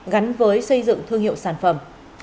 gắn với xây dựng thương hiệu sản phẩm